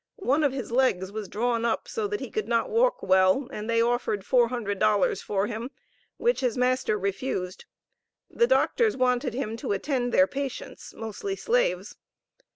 One of his legs was drawn up so that he could not walk well, and they offered four hundred dollars for him, which his master refused. The doctors wanted him to attend their patients, (mostly slaves).